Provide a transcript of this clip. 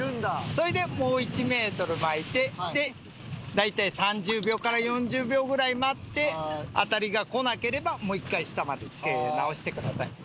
それでもう１メートル巻いて大体３０秒から４０秒ぐらい待って当たりが来なければもう１回下までつけ直してください。